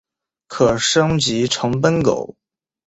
可升级成奔狗。